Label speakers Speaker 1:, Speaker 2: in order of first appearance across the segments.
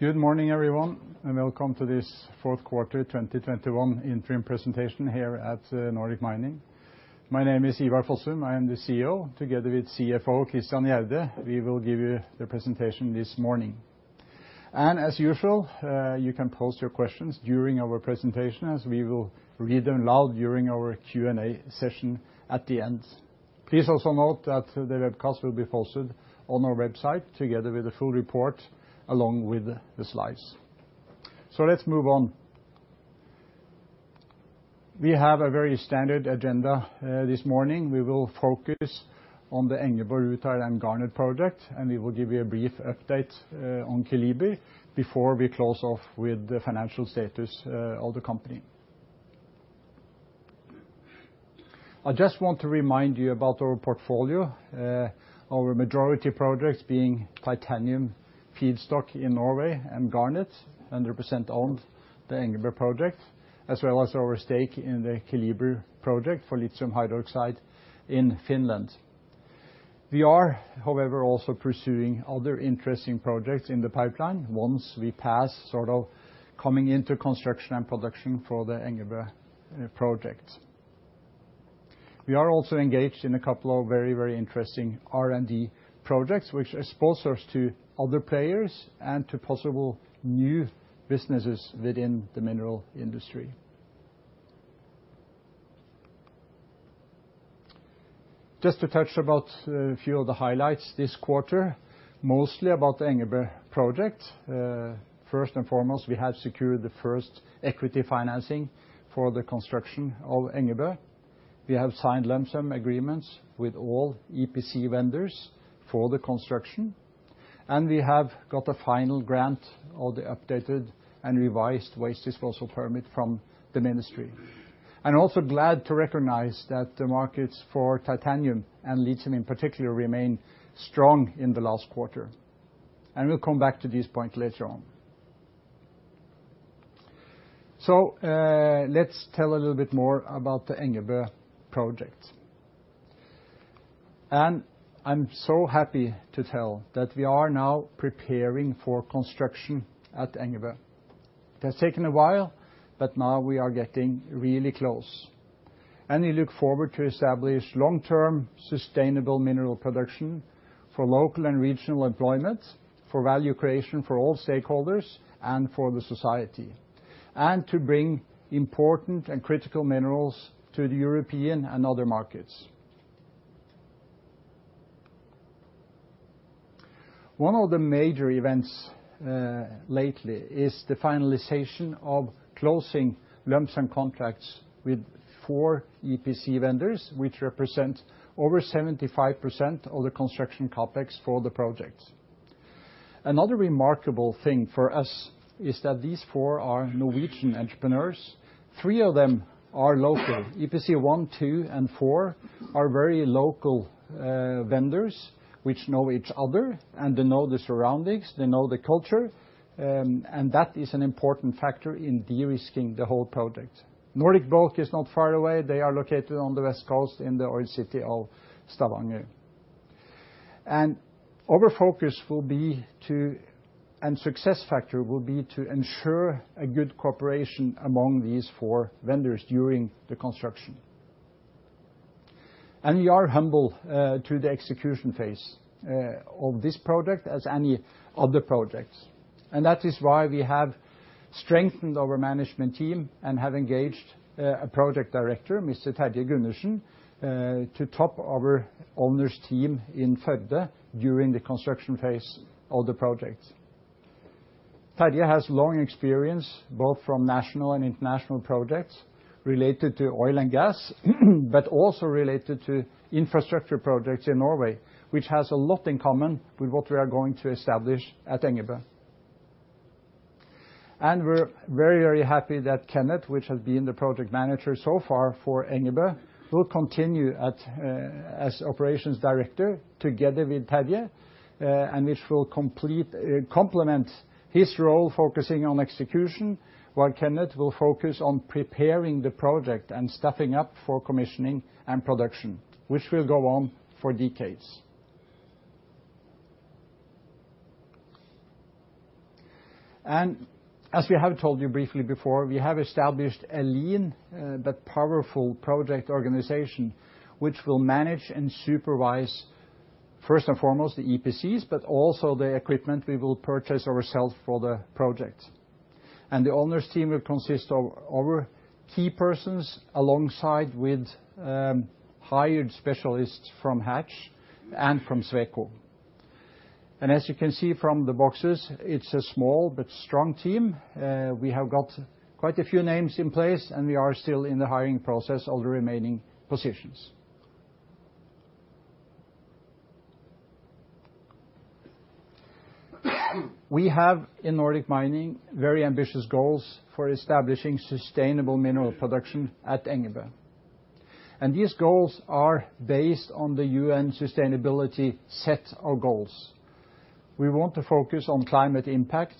Speaker 1: Good morning, everyone, and welcome to this fourth quarter 2021 interim presentation here at Nordic Mining. My name is Ivar Fossum. I am the CEO, together with CFO Christian Gjerde. We will give you the presentation this morning. As usual, you can post your questions during our presentation, as we will read them loud during our Q&A session at the end. Please also note that the webcast will be posted on our website together with the full report, along with the slides. Let's move on. We have a very standard agenda this morning. We will focus on the Engebø Rutile and Garnet project, and we will give you a brief update on Keliber before we close off with the financial status of the company. I just want to remind you about our portfolio, our majority projects being titanium feedstock in Norway and garnet, 100% owned the Engebø project, as well as our stake in the Keliber project for lithium hydroxide in Finland. We are, however, also pursuing other interesting projects in the pipeline once we pass sort of coming into construction and production for the Engebø project. We are also engaged in a couple of very, very interesting R&D projects, which exposes us to other players and to possible new businesses within the mineral industry. Just to touch about a few of the highlights this quarter, mostly about the Engebø project. First and foremost, we have secured the first equity financing for the construction of Engebø. We have signed lump sum agreements with all EPC vendors for the construction, and we have got a final grant of the updated and revised waste disposal permit from the ministry. I am also glad to recognize that the markets for titanium and lithium, in particular, remain strong in the last quarter. We will come back to this point later on. Let me tell a little bit more about the Engebø project. I am so happy to tell that we are now preparing for construction at Engebø. It has taken a while, but now we are getting really close. We look forward to establish long-term sustainable mineral production for local and regional employment, for value creation for all stakeholders and for the society, and to bring important and critical minerals to the European and other markets. One of the major events lately is the finalization of closing lump sum contracts with four EPC vendors, which represent over 75% of the construction capex for the project. Another remarkable thing for us is that these four are Norwegian entrepreneurs. Three of them are local. EPC 1, 2, and 4 are very local vendors, which know each other and they know the surroundings. They know the culture, and that is an important factor in de-risking the whole project. Nordic Bulk is not far away. They are located on the west coast in the old city of Stavanger. Our focus will be to, and success factor will be to ensure a good cooperation among these four vendors during the construction. We are humble to the execution phase of this project, as any other projects. That is why we have strengthened our management team and have engaged a Project Director, Mr. Terje Gundersen, to top our owners' team in Førde during the construction phase of the project. Terje has long experience both from national and international projects related to oil and gas, but also related to infrastructure projects in Norway, which has a lot in common with what we are going to establish at Engebø. We are very, very happy that Kenneth Nakken Angedal, who has been the Project Manager so far for Engebø, will continue as Operations Director together with Terje, and will complete and complement his role focusing on execution, while Kenneth Nakken Angedal will focus on preparing the project and stepping up for commissioning and production, which will go on for decades. As we have told you briefly before, we have established a lean but powerful project organization, which will manage and supervise, first and foremost, the EPC vendors, but also the equipment we will purchase ourselves for the project. The owners' team will consist of our key persons alongside hired specialists from Hatch and from Sweco. As you can see from the boxes, it is a small but strong team. We have got quite a few names in place, and we are still in the hiring process of the remaining positions. We in Nordic Mining have very ambitious goals for establishing sustainable mineral production at Engebø. These goals are based on the UN sustainability set of goals. We want to focus on climate impact.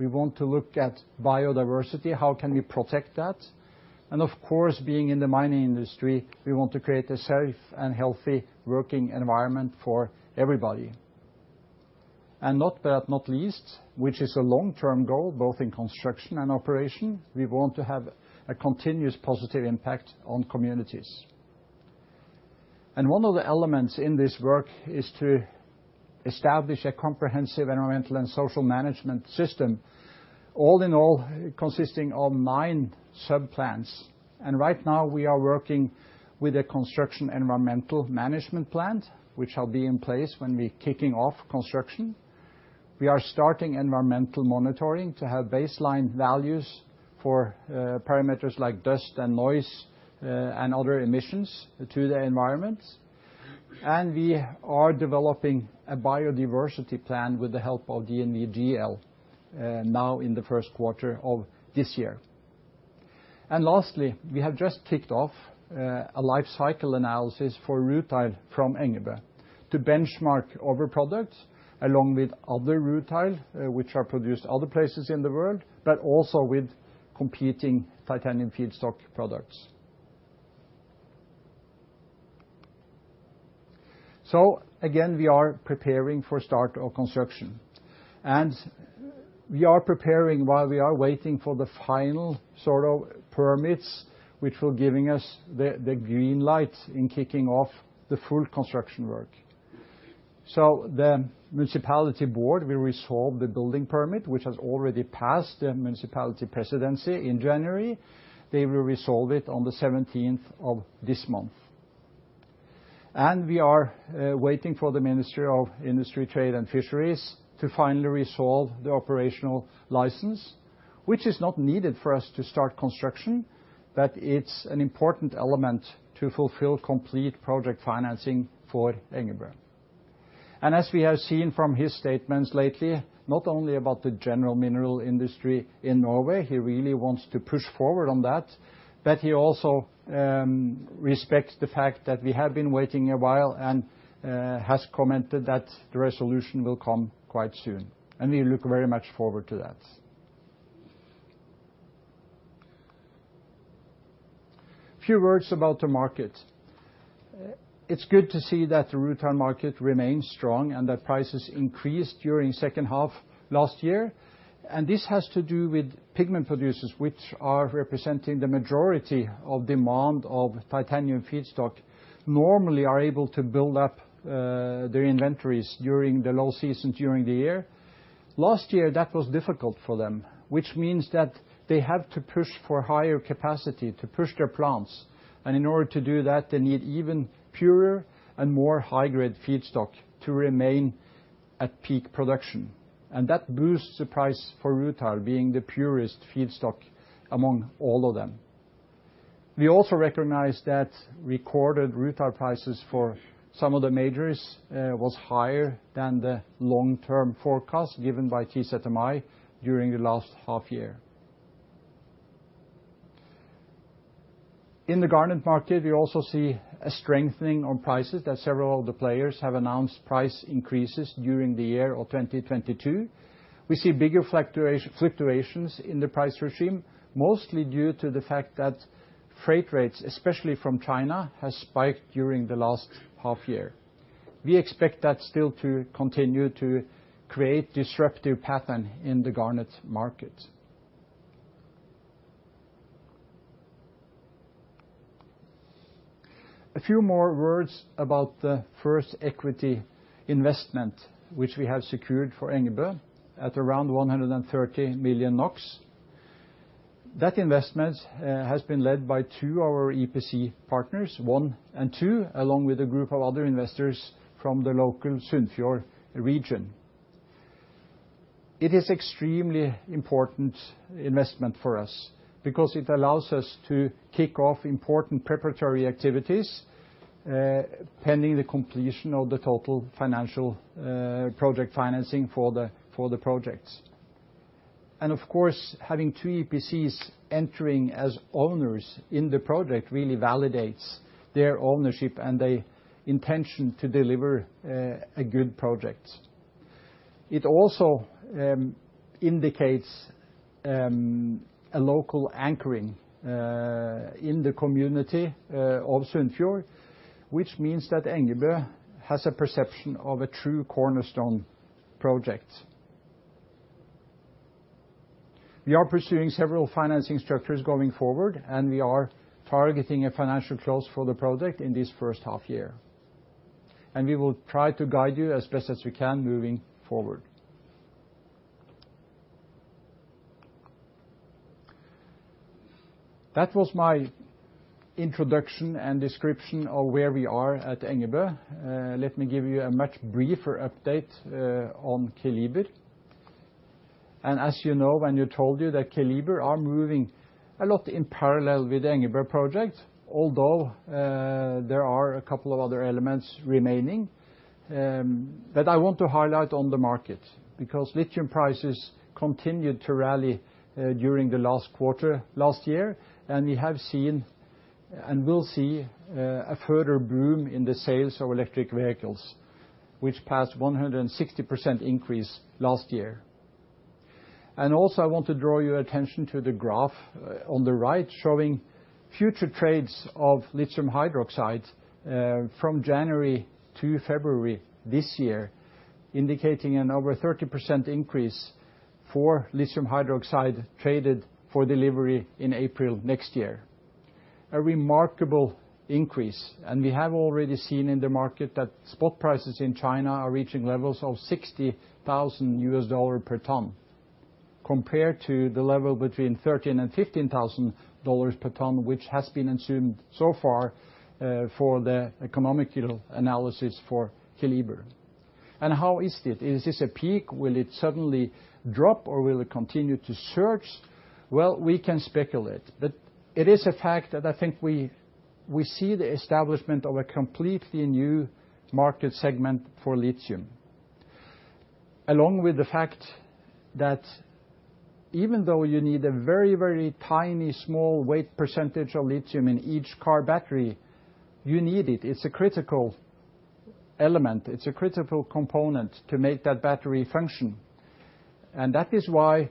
Speaker 1: We want to look at biodiversity. How can we protect that? Of course, being in the mining industry, we want to create a safe and healthy working environment for everybody. Not least, which is a long-term goal both in construction and operation, we want to have a continuous positive impact on communities. One of the elements in th`is work is to establish a comprehensive environmental and social management system, all in all consisting of nine sub-plans. Right now we are working with a construction environmental management plan, which will be in place when we're kicking off construction. We are starting environmental monitoring to have baseline values for parameters like dust and noise and other emissions to the environment. We are developing a biodiversity plan with the help of DNV GL now in the first quarter of this year. Lastly, we have just kicked off a life cycle analysis for rutile from Engebø to benchmark our products along with other rutile, which are produced other places in the world, but also with competing titanium feedstock products. We are preparing for start of construction. We are preparing while we are waiting for the final sort of permits, which will give us the green light in kicking off the full construction work. The municipality board will resolve the building permit, which has already passed the municipality presidency in January. They will resolve it on the 17th of this month. We are waiting for the Ministry of Industry, Trade and Fisheries to finally resolve the operational license, which is not needed for us to start construction, but it is an important element to fulfill complete project financing for Engebø. As we have seen from his statements lately, not only about the general mineral industry in Norway, he really wants to push forward on that, but he also respects the fact that we have been waiting a while and has commented that the resolution will come quite soon. We look very much forward to that. A few words about the market. It's good to see that the rutile market remains strong and that prices increased during the second half last year. This has to do with pigment producers, which are representing the majority of demand of titanium feedstock, normally are able to build up their inventories during the low seasons during the year. Last year, that was difficult for them, which means that they have to push for higher capacity to push their plants. In order to do that, they need even purer and more high-grade feedstock to remain at peak production. That boosts the price for rutile, being the purest feedstock among all of them. We also recognize that recorded rutile prices for some of the majors were higher than the long-term forecast given by TZMI during the last half year. In the garnet market, we also see a strengthening of prices that several of the players have announced price increases during the year of 2022. We see bigger fluctuations in the price regime, mostly due to the fact that freight rates, especially from China, have spiked during the last half year. We expect that still to continue to create a disruptive pattern in the garnet market. A few more words about the first equity investment, which we have secured for Engebø at around 130 million NOK. That investment has been led by two of our EPC partners, one and two, along with a group of other investors from the local Sunnfjord region. It is an extremely important investment for us because it allows us to kick off important preparatory activities pending the completion of the total financial project financing for the project. Of course, having two EPCs entering as owners in the project really validates their ownership and the intention to deliver a good project. It also indicates a local anchoring in the community of Sunnfjord, which means that Engebø has a perception of a true cornerstone project. We are pursuing several financing structures going forward, and we are targeting a financial close for the project in this first half year. We will try to guide you as best as we can moving forward. That was my introduction and description of where we are at Engebø. Let me give you a much briefer update on Keliber. As you know, when you told you that Keliber are moving a lot in parallel with the Engebø project, although there are a couple of other elements remaining. I want to highlight on the market because lithium prices continued to rally during the last quarter last year, and we have seen and will see a further boom in the sales of electric vehicles, which passed a 160% increase last year. I also want to draw your attention to the graph on the right showing future trades of lithium hydroxide from January to February this year, indicating an over 30% increase for lithium hydroxide traded for delivery in April next year. A remarkable increase, and we have already seen in the market that spot prices in China are reaching levels of $60,000 per ton compared to the level between $13,000 and $15,000 per ton, which has been assumed so far for the economic analysis for Keliber. How is it? Is this a peak? Will it suddenly drop, or will it continue to surge? We can speculate, but it is a fact that I think we see the establishment of a completely new market segment for lithium, along with the fact that even though you need a very, very tiny small weight percentage of lithium in each car battery, you need it. It's a critical element. It's a critical component to make that battery function. That is why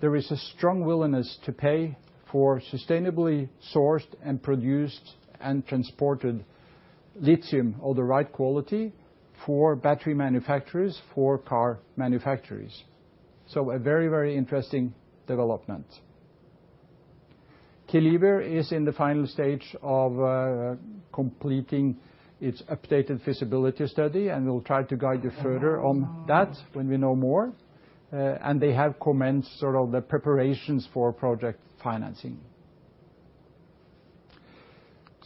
Speaker 1: there is a strong willingness to pay for sustainably sourced and produced and transported lithium of the right quality for battery manufacturers, for car manufacturers. A very, very interesting development. Keliber is in the final stage of completing its updated feasibility study, and we will try to guide you further on that when we know more. They have commenced the preparations for project financing.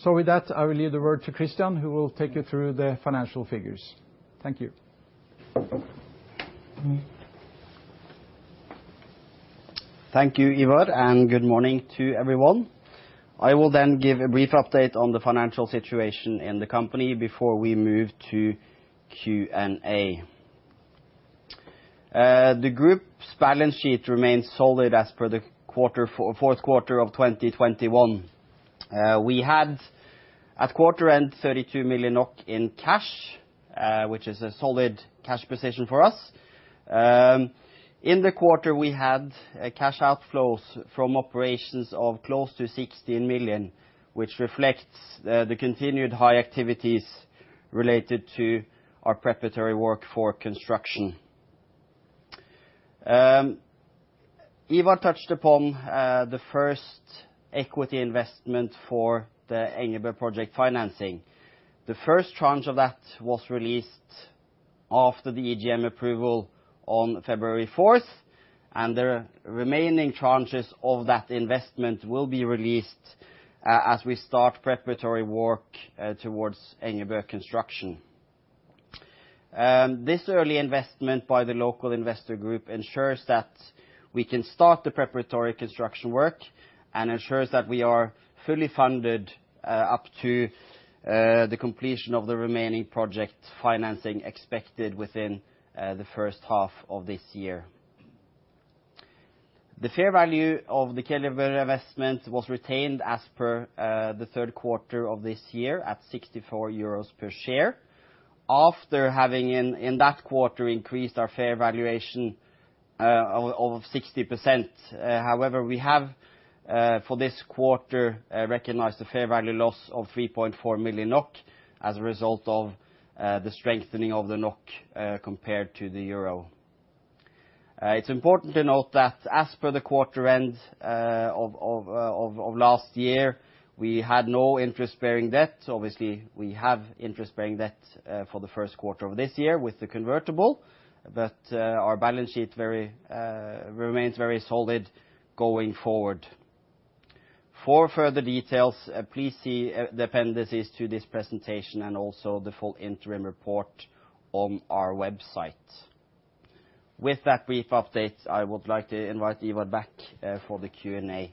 Speaker 1: With that, I will leave the word to Christian, who will take you through the financial figures. Thank you.
Speaker 2: Thank you, Ivar, and good morning to everyone. I will then give a brief update on the financial situation in the company before we move to Q&A. The group's balance sheet remains solid as per the fourth quarter of 2021. We had at quarter end 32 million NOK in cash, which is a solid cash position for us. In the quarter, we had cash outflows from operations of close to 16 million, which reflects the continued high activities related to our preparatory work for construction. Ivar touched upon the first equity investment for the Engebø project financing. The first tranche of that was released after the EGM approval on February 4th, and the remaining tranches of that investment will be released as we start preparatory work towards Engebø construction. This early investment by the local investor group ensures that we can start the preparatory construction work and ensures that we are fully funded up to the completion of the remaining project financing expected within the first half of this year. The fair value of the Keliber investment was retained as per the third quarter of this year at 64 euros per share after having in that quarter increased our fair valuation by 60%. However, we have for this quarter recognized a fair value loss of 3.4 million NOK as a result of the strengthening of the NOK compared to the euro. It's important to note that as per the quarter end of last year, we had no interest-bearing debt. Obviously, we have interest-bearing debt for the first quarter of this year with the convertible, but our balance sheet remains very solid going forward. For further details, please see the appendices to this presentation and also the full interim report on our website. With that brief update, I would like to invite Ivar back for the Q&A.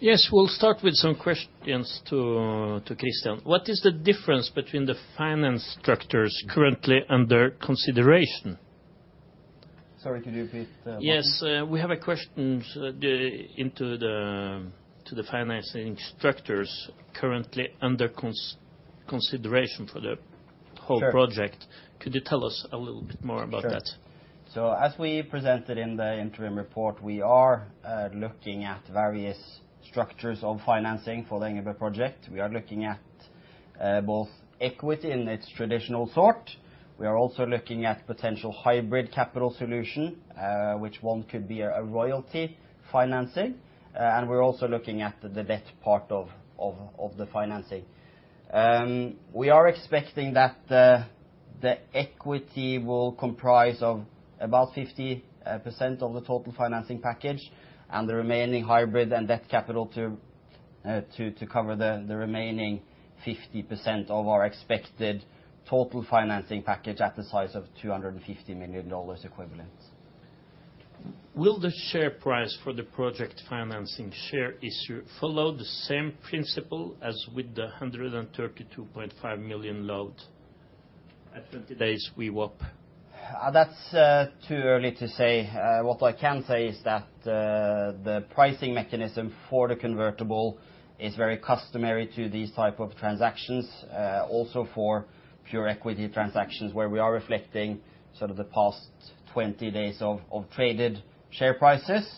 Speaker 3: Yes, we'll start with some questions to Christian. What is the difference between the finance structures currently under consideration?
Speaker 2: Sorry to interrupt.
Speaker 3: Yes, we have a question to the financing structures currently under consideration for the whole project. Could you tell us a little bit more about that?
Speaker 2: As we presented in the interim report, we are looking at various structures of financing for the Engebø project. We are looking at both equity in its traditional sort. We are also looking at potential hybrid capital solution, which one could be a royalty financing. We are also looking at the debt part of the financing. We are expecting that the equity will comprise about 50% of the total financing package and the remaining hybrid and debt capital to cover the remaining 50% of our expected total financing package at the size of $250 million equivalent.
Speaker 3: Will the share price for the project financing share issue follow the same principle as with the $132.5 million loan at 20 days VWAP?
Speaker 2: That is too early to say. What I can say is that the pricing mechanism for the convertible is very customary to these types of transactions, also for pure equity transactions where we are reflecting sort of the past 20 days of traded share prices.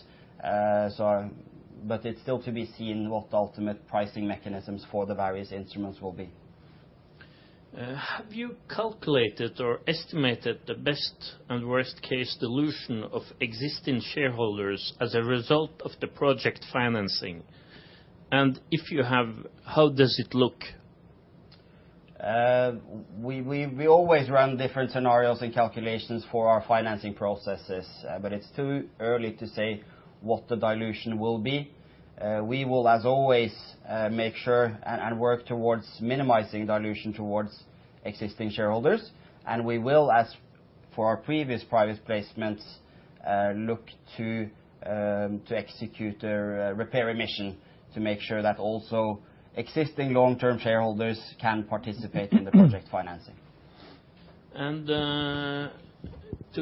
Speaker 2: It is still to be seen what the ultimate pricing mechanisms for the various instruments will be.
Speaker 3: Have you calculated or estimated the best and worst case dilution of existing shareholders as a result of the project financing? If you have, how does it look?
Speaker 2: We always run different scenarios and calculations for our financing processes, but it is too early to say what the dilution will be. We will, as always, make sure and work towards minimizing dilution towards existing shareholders. We will, as for our previous private placements, look to execute a repair mission to make sure that also existing long-term shareholders can participate in the project financing.
Speaker 3: To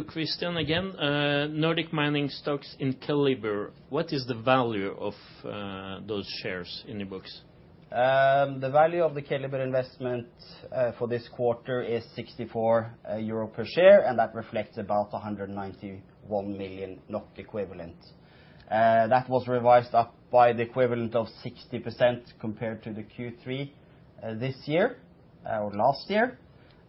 Speaker 3: Christian again, Nordic Mining stocks in Keliber, what is the value of those shares in the books?
Speaker 2: The value of the Keliber investment for this quarter is 64 euro per share, and that reflects about 191 million NOK equivalent. That was revised up by the equivalent of 60% compared to the Q3 this year or last year.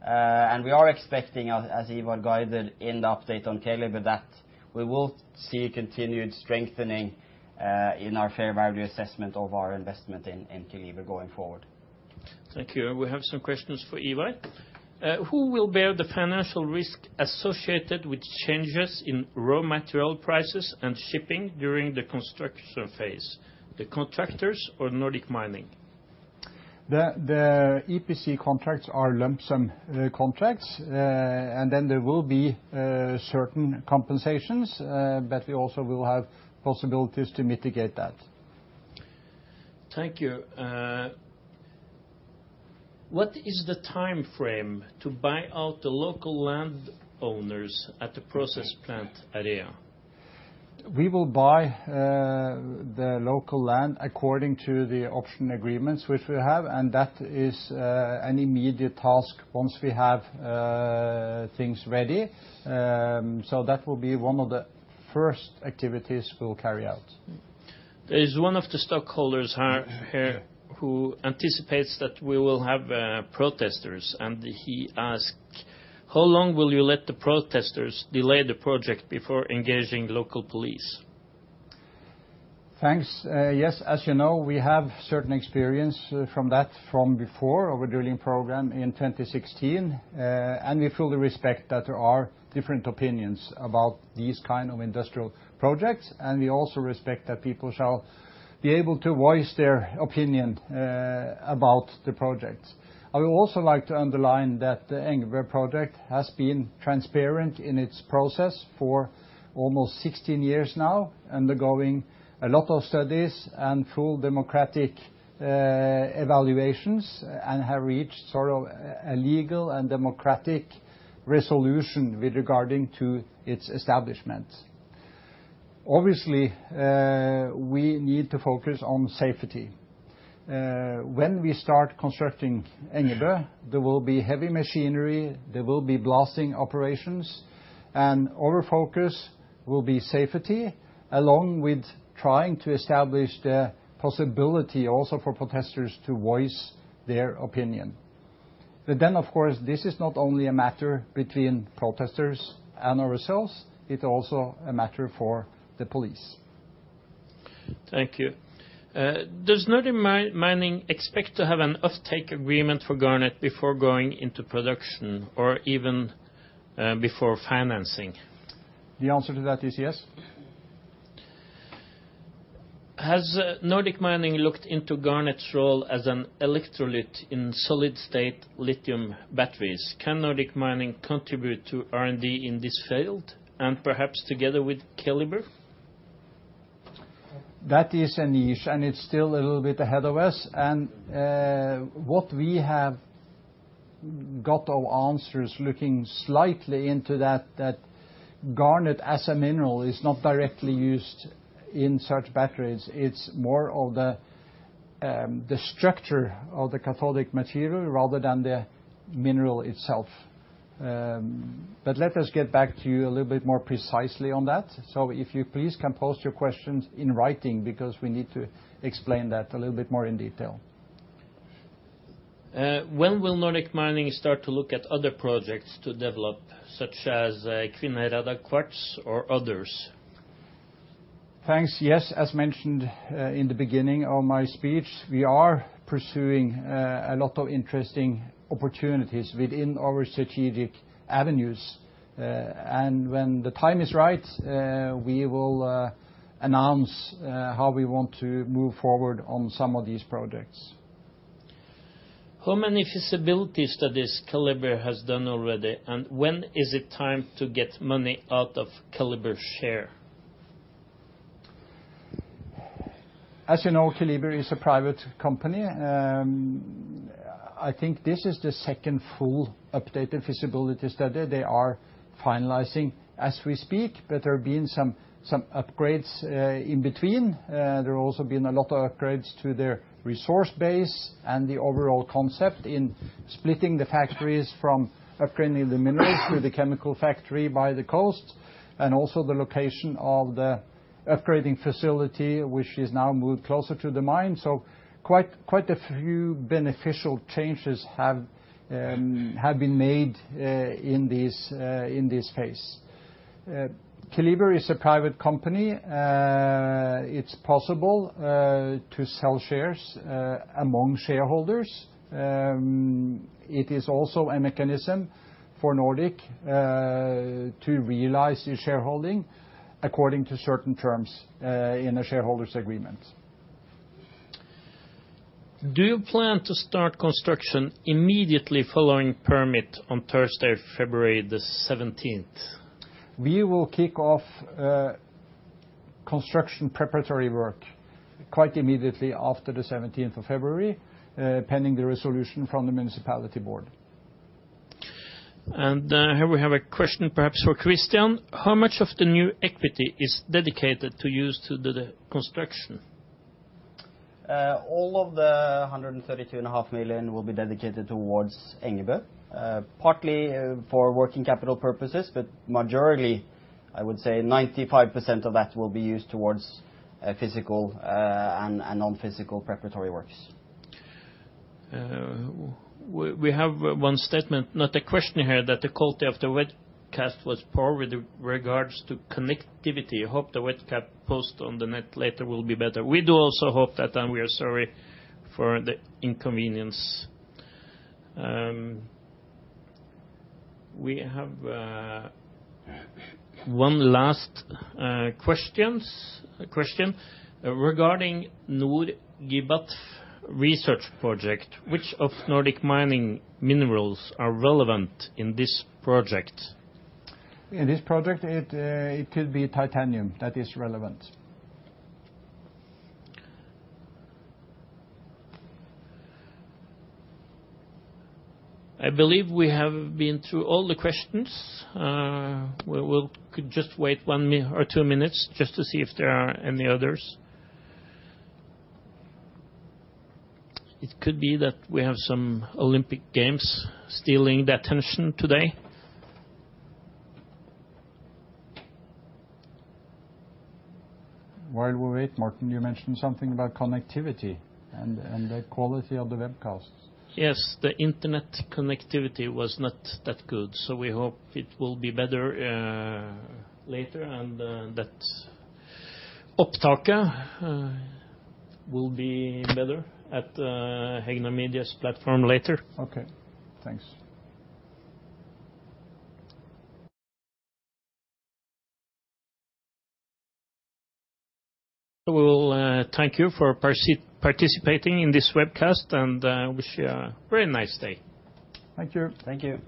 Speaker 2: We are expecting, as Ivar guided in the update on Keliber, that we will see continued strengthening in our fair value assessment of our investment in Keliber going forward.
Speaker 3: Thank you. We have some questions for Ivar. Who will bear the financial risk associated with changes in raw material prices and shipping during the construction phase?
Speaker 1: The contractors or Nordic Mining? The EPC contracts are lump sum contracts, and then there will be certain compensations, but we also will have possibilities to mitigate that.
Speaker 3: Thank you. What is the time frame to buy out the local land owners at the process plant area?
Speaker 1: We will buy the local land according to the option agreements which we have, and that is an immediate task once we have things ready. That will be one of the first activities we will carry out.
Speaker 3: There is one of the stockholders here who anticipates that we will have protesters, and he asked, how long will you let the protesters delay the project before engaging local police?
Speaker 1: Thanks. Yes, as you know, we have certain experience from that from before of a drilling program in 2016, and we fully respect that there are different opinions about these kinds of industrial projects. We also respect that people shall be able to voice their opinion about the project. I would also like to underline that the Engebø project has been transparent in its process for almost 16 years now, undergoing a lot of studies and full democratic evaluations, and have reached sort of a legal and democratic resolution with regard to its establishment. Obviously, we need to focus on safety. When we start constructing Engebø, there will be heavy machinery, there will be blasting operations, and our focus will be safety along with trying to establish the possibility also for protesters to voice their opinion. Of course, this is not only a matter between protesters and ourselves, it is also a matter for the police.
Speaker 3: Thank you. Does Nordic Mining expect to have an off-take agreement for garnet before going into production or even before financing?
Speaker 1: The answer to that is yes.
Speaker 3: Has Nordic Mining looked into garnet's role as an electrolyte in solid-state lithium batteries? Can Nordic Mining contribute to R&D in this field and perhaps together with Keliber?
Speaker 1: That is a niche, and it is still a little bit ahead of us. What we have got our answers looking slightly into that, garnet as a mineral is not directly used in such batteries. It is more of the structure of the cathodic material rather than the mineral itself. Let us get back to you a little bit more precisely on that. If you please can post your questions in writing because we need to explain that a little bit more in detail.
Speaker 3: When will Nordic Mining start to look at other projects to develop, such as Kvinnherad Quartz or others?
Speaker 1: Thanks. Yes, as mentioned in the beginning of my speech, we are pursuing a lot of interesting opportunities within our strategic avenues. When the time is right, we will announce how we want to move forward on some of these projects.
Speaker 3: How many feasibility studies Keliber has done already, and when is it time to get money out of Keliber's share?
Speaker 1: As you know, Keliber is a private company. I think this is the second full updated feasibility study they are finalizing as we speak, but there have been some upgrades in between. There have also been a lot of upgrades to their resource base and the overall concept in splitting the factories from upgrading the minerals to the chemical factory by the coast and also the location of the upgrading facility, which is now moved closer to the mine. Quite a few beneficial changes have been made in this phase. Keliber is a private company. It's possible to sell shares among shareholders. It is also a mechanism for Nordic Mining to realize its shareholding according to certain terms in a shareholders' agreement.
Speaker 3: Do you plan to start construction immediately following permit on Thursday, February the 17th?
Speaker 1: We will kick off construction preparatory work quite immediately after the 17th of February, pending the resolution from the municipality board.
Speaker 3: Here we have a question perhaps for Christian. How much of the new equity is dedicated to use to do the construction?
Speaker 2: All of the 132.5 million will be dedicated towards Engebø, partly for working capital purposes, but majority, I would say 95% of that will be used towards physical and non-physical preparatory works.
Speaker 3: We have one statement, not a question here, that the quality of the webcast was poor with regards to connectivity. I hope the webcam post on the net later will be better. We do also hope that we are sorry for the inconvenience. We have one last question regarding NordForsk research project. Which of Nordic Mining minerals are relevant in this project?
Speaker 2: In this project, it could be titanium that is relevant.
Speaker 3: I believe we have been through all the questions. We'll just wait one or two minutes just to see if there are any others. It could be that we have some Olympic Games stealing the attention today.
Speaker 4: While we wait, Martin, you mentioned something about connectivity and the quality of the webcast.
Speaker 3: Yes, the internet connectivity was not that good, so we hope it will be better later and that will be better at Hegna Media's platform later.
Speaker 4: Okay, thanks.
Speaker 3: We will thank you for participating in this webcast and wish you a very nice day.
Speaker 2: Thank you.
Speaker 1: Thank you.